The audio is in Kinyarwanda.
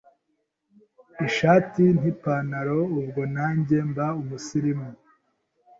ishati n’ipantaro, ubwo nanjye mba umusirimu